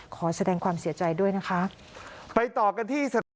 ขอแสดงความเสียใจด้วยนะคะไปต่อกันที่สถาน